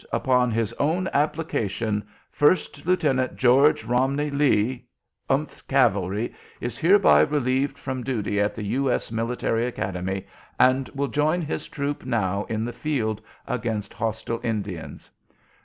_ Upon his own application, First Lieutenant George Romney Lee, th Cavalry, is hereby relieved from duty at the U. S. Military Academy, and will join his troop now in the field against hostile Indians.